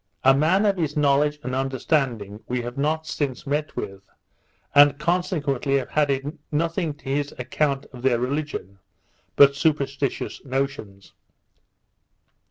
A man of his knowledge and understanding we have not since met with, and consequently have added nothing to his account of their religion but superstitious notions.